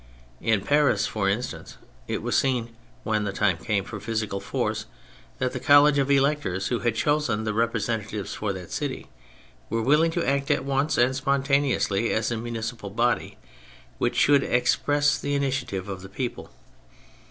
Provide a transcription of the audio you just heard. In Paris, for instance, it was seen when the time came for physical force that the College of Electors, who had chosen the representatives for that city, were willing to act at once and spontane ously as a municipal body which should ex press the initiative of the people.